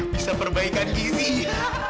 bisa perbaikan gini